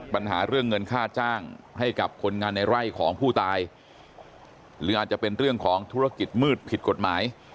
ปัญหาเรื่องเงินค่าจ้างให้กับคนงานในไร่ของผู้ตายหรืออาจจะเป็นเรื่องของธุรกิจมืดผิดกฎหมาย